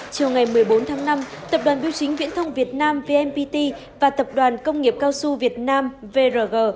chiều ngày một mươi bốn tháng năm tập đoàn biêu chính viễn thông việt nam vnpt và tập đoàn công nghiệp cao su việt nam vrg